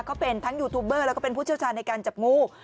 เขาเป็นทั้งยูทูบเบอร์แล้วก็เป็นผู้เชี่ยวชาญในการจับงู